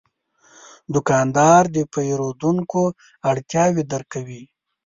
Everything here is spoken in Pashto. دوکاندار د پیرودونکو اړتیاوې درک کوي.